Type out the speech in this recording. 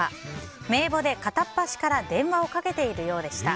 名簿で片っ端から電話をかけているようでした。